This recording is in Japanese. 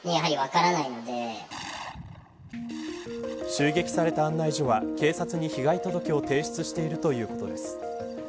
襲撃された案内所は警察に被害届を提出しているということです。